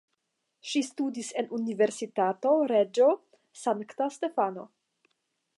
Ŝi studis en Universitato Reĝo Sankta Stefano.